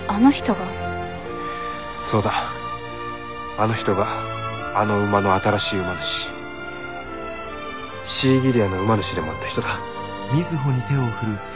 あの人があの馬の新しい馬主シーギリアの馬主でもあった人だ。